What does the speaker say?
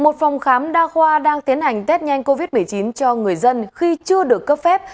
một phòng khám đa khoa đang tiến hành test nhanh covid một mươi chín cho người dân khi chưa được cấp phép